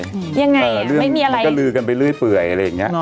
ยังไงไม่มีอะไรก็ลือกันไปเรื่อยเปื่อยอะไรอย่างเงี้เน